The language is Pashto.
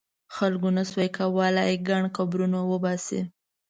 خلکو نه شو کولای ګڼ قبرونه وباسي.